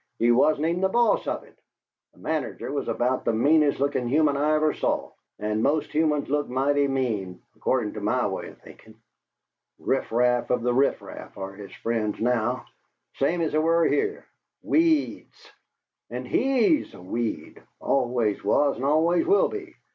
He wasn't even the boss of it; the manager was about the meanest lookin' human I ever saw and most humans look mighty mean, accordin' to my way of thinkin'! Riffraff of the riffraff are his friends now, same as they were here. Weeds! and HE'S a weed, always was and always will be!